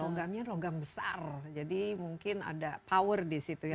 logamnya logam besar jadi mungkin ada power di situ ya